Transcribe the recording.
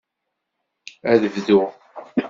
Ad bduɣ.